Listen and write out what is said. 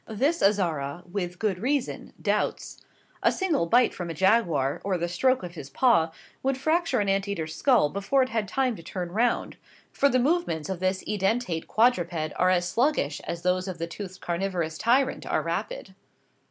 This Azara, with good reason, doubts. A single bite from a jaguar, or the stroke of his paw, would fracture an ant eater's skull before it had time to turn round; for the movements of this edentate quadruped are as sluggish as those of the toothed carnivorous tyrant are rapid.